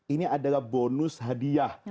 ini adalah bonus hadiah